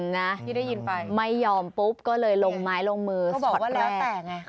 นะที่ได้ยินไปไม่ยอมปุ๊บก็เลยลงไม้ลงมือเขาบอกว่าแล้วแต่ไง